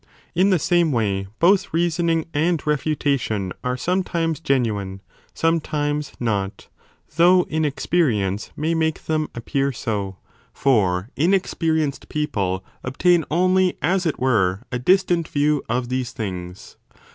In the same way 25 both reasoning and refutation are sometimes genuine, some times not, though inexperience may make them appear so : for inexperienced people obtain only, as it were, a distant view of these things.